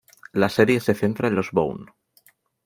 La serie se centra en los "Bone".